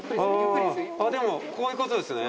あでもこういうことですね。